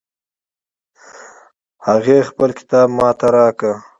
هغې خپل کتاب ما ته راکړ